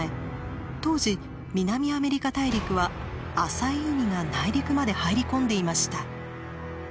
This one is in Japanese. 当時南アメリカ大陸は浅い海が内陸まで入り込んでいました。